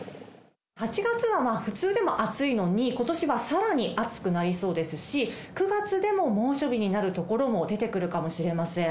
８月は普通でも暑いのに、ことしはさらに暑くなりそうですし、９月でも猛暑日になる所も出てくるかもしれません。